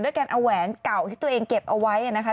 การเอาแหวนเก่าที่ตัวเองเก็บเอาไว้นะคะ